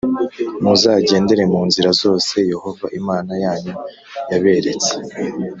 Muzagendere mu nzira zose Yehova Imana yanyu yaberetse